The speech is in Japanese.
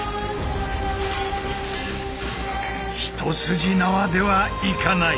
一筋縄ではいかない！